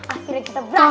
akhirnya kita berhasil